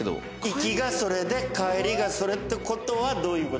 行きがそれで帰りがそれってことはどういうことでしょう？